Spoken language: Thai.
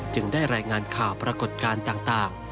ได้รายงานข่าวปรากฏการณ์ต่าง